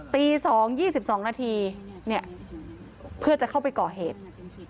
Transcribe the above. ตีสองยี่สิบสองนาทีเพื่อจะเข้าไปก่อเหตุ